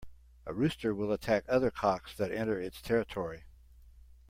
A rooster will attack other cocks that enter its territory.